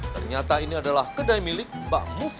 ternyata ini adalah kedai milik mbak mufa